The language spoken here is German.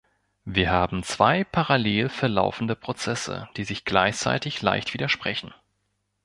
Wir haben zwei parallel verlaufende Prozesse, die sich gleichzeitig leicht widersprechen.